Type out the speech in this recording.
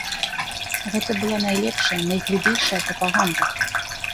Гэта была найлепшая, найглыбейшая прапаганда.